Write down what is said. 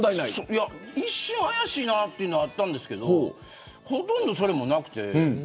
いや、一瞬怪しいなあっていうのはあったんですけどほとんどそれもなくて。